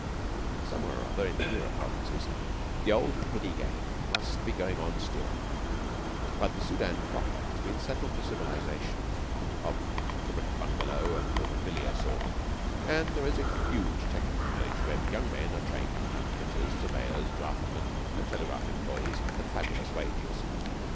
Somewhere or other in the nearer provinces the old heady game must be going on still, but the Soudan proper has settled to civilisation of the brick bungalow and bougainvillea sort, and there is a huge technical college where the young men are trained to become fitters, surveyors, draftsmen, and telegraph employees at fabulous wages.